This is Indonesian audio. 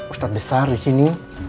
ustadz besar disini